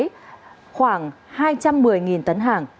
là khoảng hai trăm một mươi tàu